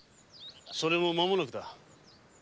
それも間もなくだ。